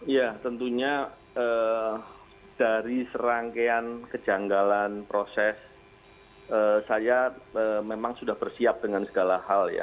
ya tentunya dari serangkaian kejanggalan proses saya memang sudah bersiap dengan segala hal ya